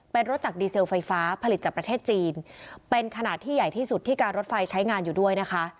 เป็นรถจากดีเซลไฟฟ้าผลิตจากประเทศจีนเป็นขนาดที่ใหญ่ที่สุดที่การรถไฟใช้งานอยู่ด้วยนะคะ